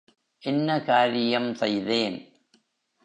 என்ன காரியம் செய்தேன்!